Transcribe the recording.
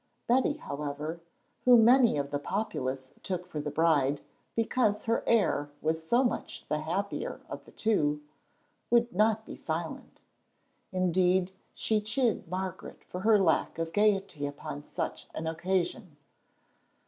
Betty, however, whom many of the populace took for the bride, because her air was so much the happier of the two, would not be silent. Indeed she chid Margaret for her lack of gaiety upon such an occasion.